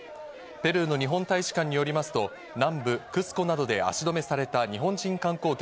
ペルーの日本大使館によりますと南部クスコなどで足止めされた日本人観光客